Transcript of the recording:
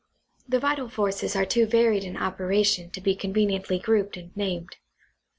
The vital forces are too varied in operation to be conveniently grouped and named.